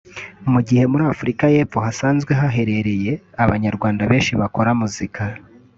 Mu gihe muri Afrika y’epfo hasanzwe haherereye abanyarwanda benshi bakora muzika